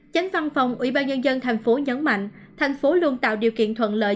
chánh văn phòng ủy ban nhân dân thành phố nhấn mạnh thành phố luôn tạo điều kiện thuận lợi